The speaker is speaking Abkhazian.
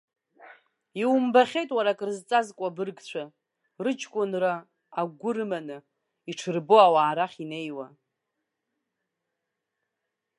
Иумбахьеит уара акрызхыҵуа абыргцәа, рыҷкәынра агәы рыманы, иҽырбо ауаа рахь инеиуа.